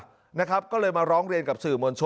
หลังจากที่เกิดเรื่องแล้วเราไปตรวจ